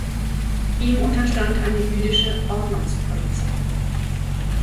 Ihm unterstand eine jüdische "Ordnungspolizei".